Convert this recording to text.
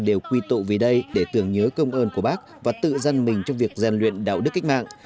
đều quy tụ về đây để tưởng nhớ công ơn của bác và tự dân mình trong việc gian luyện đạo đức cách mạng